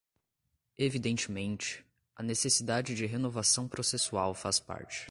Evidentemente, a necessidade de renovação processual faz parte